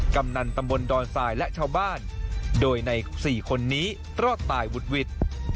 กำนันตำบลดอนทรายและชาวบ้านโดยใน๔คนนี้รอดตายวุดหวิด